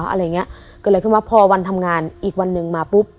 อะไรเงี้ยเกิดอะไรขึ้นวะพอวันทำงานอีกวันหนึ่งมาปุ๊บ